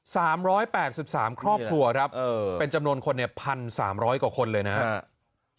สามร้อยแปดสิบสามครอบครัวครับเออเป็นจำนวนคนเนี่ยพันสามร้อยกว่าคนเลยนะครับ